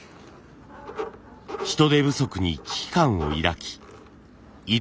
人手不足に危機感を抱き糸